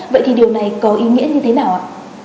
vậy thì điều này có ý nghĩa như thế nào ạ